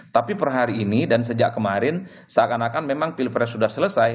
tapi per hari ini dan sejak kemarin seakan akan memang pilpres sudah selesai